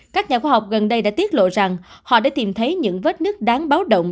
các nhà khoa học gần đây đã tiết lộ rằng họ đã tìm thấy những vết nứt đáng báo động